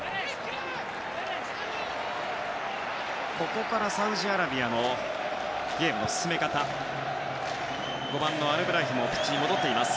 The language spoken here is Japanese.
ここからのサウジアラビアのゲームの進め方５番のアルブライヒもピッチに戻っています。